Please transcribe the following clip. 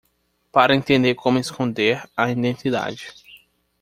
Para entender como esconder a identidade